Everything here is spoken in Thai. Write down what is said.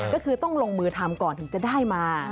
ก็คือต้องลงมือทำก่อนถึงจะได้มา